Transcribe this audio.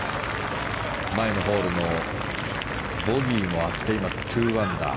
前のホールのボギーもあって今、２アンダー。